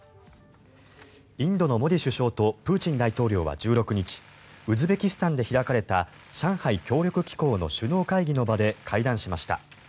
インドのモディ首相とプーチン大統領は１６日ウズベキスタンで開かれた上海協力機構の首脳会議の場で会談しました。